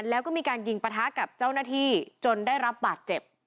แล้วก็มีการยิงปะทะกับเจ้าหน้าที่จนได้รับบาดเจ็บ